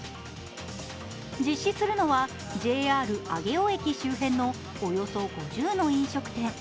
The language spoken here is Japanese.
実施するのはＪＲ上尾駅周辺の、およそ５０の飲食店。